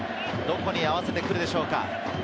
どこに合わせてくるでしょうか。